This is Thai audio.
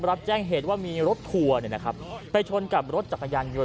รับแจ้งเหตุว่ามีรถทัวร์ไปชนกับรถจักรยานยนต